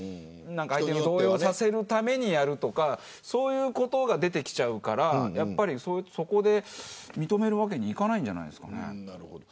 相手を動揺させるためにやるとかそういうことができちゃうからそこで認めるわけにはいかないんじゃないですか。